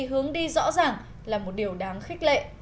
hướng đi rõ ràng là một điều đáng khích lệ